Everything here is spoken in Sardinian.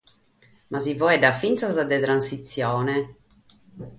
Ma si faeddat fintzas de «transitzione».